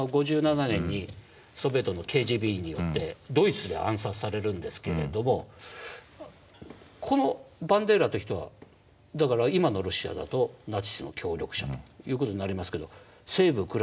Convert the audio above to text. ５７年にソビエトのＫＧＢによってドイツで暗殺されるんですけれどもこのバンデーラという人はだから今のロシアだとナチスの協力者という事になりますけど西部